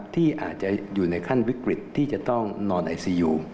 ที่อาจจะอยู่ในขั้นวิกฤตที่จะต้องนอนไอซียู